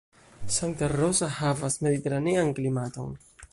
Santa Rosa havas mediteranean klimaton.